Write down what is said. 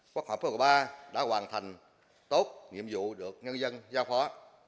quốc hội quốc hội ba đã hoàn thành tốt nhiệm vụ được nhân dân giao khóa